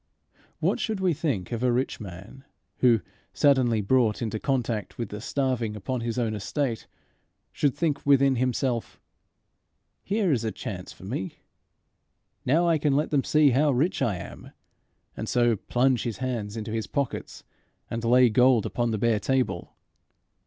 What should we think of a rich man, who, suddenly brought into contact with the starving upon his own estate, should think within himself, "Here is a chance for me! Now I can let them see how rich I am!" and so plunge his hands in his pockets and lay gold upon the bare table?